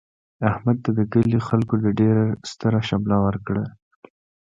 احمد ته د کلي خلکو د ډېر ستره شمله ورکړله.